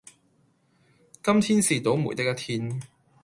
今天是倒楣的一天